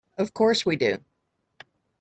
Of course we do.